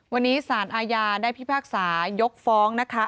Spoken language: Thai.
วันนี้สารอาญาได้พิพากษายกฟ้องนะคะ